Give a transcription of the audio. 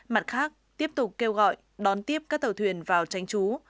mặt khác tiếp tục kêu gọi đón tiếp các tàu thuyền vào tránh trú